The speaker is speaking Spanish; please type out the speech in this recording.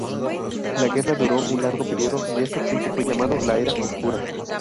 La guerra duró un largo periodo y ese tiempo fue llamado La Era Oscura.